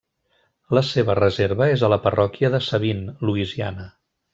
La seva reserva és a la parròquia de Sabine, Louisiana.